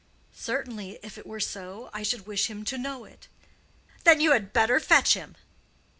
"Certainly; if it were so, I should wish him to know it." "Then you had better fetch him."